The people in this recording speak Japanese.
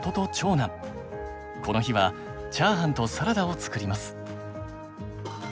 この日はチャーハンとサラダをつくります。